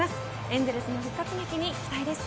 エンゼルスの復活劇に期待です。